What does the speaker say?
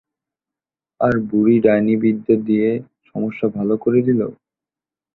আর বুড়ি ডাইনিবিদ্যা দিয়ে সমস্যা ভালো করে দিল?